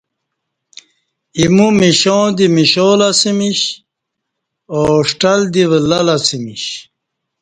ایمو مشا دی مشالہ اسمِش او ݜٹل دی ولہ لہ اسمِش